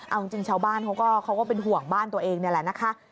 เอาจริงชาวบ้านเขาก็เป็นห่วงบ้านตัวเองนี่แหละนะคะ